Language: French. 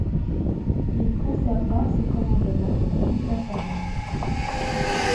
Il conserva ce commandement jusqu’à sa mort.